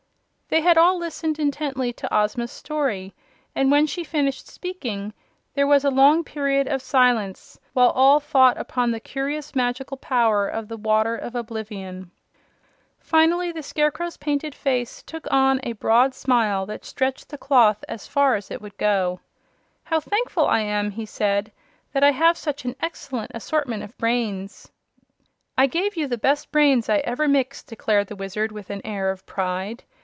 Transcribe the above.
They had all listened intently to Ozma's story, and when she finished speaking there was a long period of silence while all thought upon the curious magical power of the Water of Oblivion. Finally the Scarecrow's painted face took on a broad smile that stretched the cloth as far as it would go. "How thankful I am," he said, "that I have such an excellent assortment of brains!" "I gave you the best brains I ever mixed," declared the Wizard, with an air of pride.